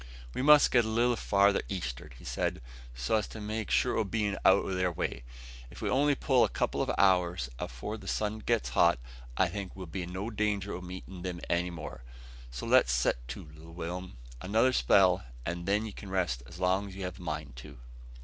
"We must get a little farther to east'ard," said he, "so as to make sure o' bein' out o' their way. If we only pull a couple of hours afore the sun gets hot, I think we'll be in no danger o' meetin' them any more. So let's set to, little Will'm! Another spell, and then you can rest as long's you have a mind to."